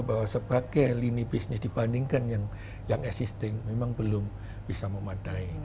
bahwa sebagai lini bisnis dibandingkan yang existing memang belum bisa memadai